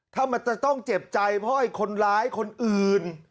ถ้ามันจะต้องเจ็บใจเพราะไอ้คนร้ายคนอื่น